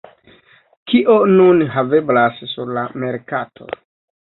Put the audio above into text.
Kio nun haveblas sur la merkato?